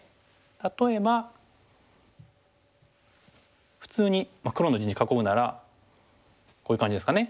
例えば普通に黒の地囲うならこういう感じですかね。